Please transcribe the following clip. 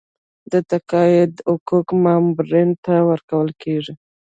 د تقاعد حقوق مامورینو ته ورکول کیږي